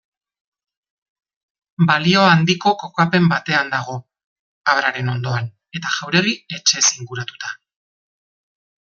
Balio handiko kokapen batean dago, Abraren ondoan eta jauregi-etxez inguratuta.